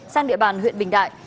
sang địa bàn huyện bình đại